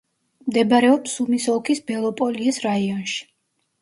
მდებარეობს სუმის ოლქის ბელოპოლიეს რაიონში.